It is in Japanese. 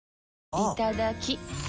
いただきっ！